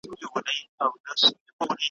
ما به څه کول دنیا چي څه به کیږي `